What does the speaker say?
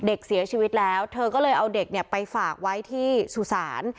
เด็กเสียชีวิตแล้วเธอก็เลยเอาเด็กเนี่ยไปฝากไว้ที่สุสาน